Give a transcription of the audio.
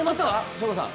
省吾さん。